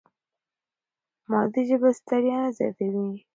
مادي ژبه ستړیا نه زیاتوي.